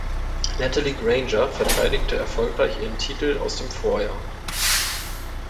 Natalie Grainger verteidigte erfolgreich ihren Titel aus dem Vorjahr.